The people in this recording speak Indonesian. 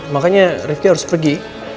makanya rifki harus pergi